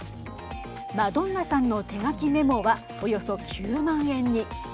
マドンナさんの手書きメモはおよそ９万円に。